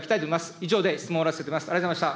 以上で質問を終わらせていただきます。